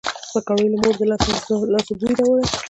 پکورې له مور د لاسو بوی راوړي